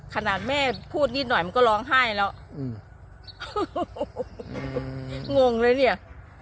ขนาดแม่พูดนิดหน่อยมันก็ร้องไห้แล้วอืมงงเลยเนี่ย